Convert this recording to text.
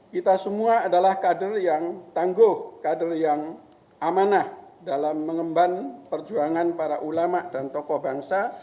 kita semua adalah kader yang tangguh kader yang amanah dalam mengemban perjuangan para ulama dan tokoh bangsa